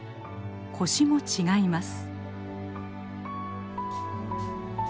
コシも違います。